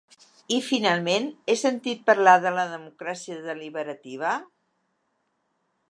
I, finalment, he sentit parlar de la democràcia deliberativa?